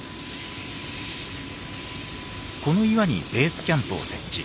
この岩にベースキャンプを設置。